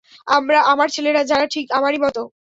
আমার ছেলেরা, যারা ঠিক আমারই মতো।